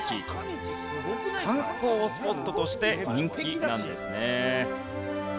観光スポットとして人気なんですね。